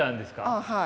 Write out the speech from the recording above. ああはい。